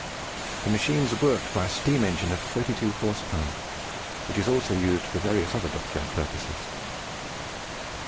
The machines are worked by a steam engine of 32 horse power, which is also used for various other dockyard purposes.